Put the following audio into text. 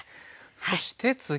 そして次は。